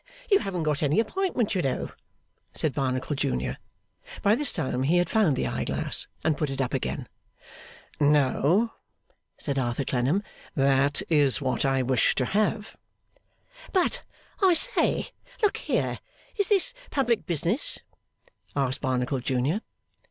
You haven't got any appointment, you know,' said Barnacle Junior. (By this time he had found the eye glass, and put it up again.) 'No,' said Arthur Clennam. 'That is what I wish to have.' 'But I say. Look here! Is this public business?' asked Barnacle junior.